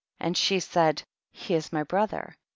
and she said, he is my brother.